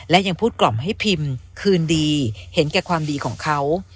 และยังพูดกล่อมให้พิมพ์คืนดีเห็นแก่ความดีของเขา